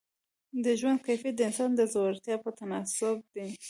د ژوند کیفیت د انسان د زړورتیا په تناسب دی.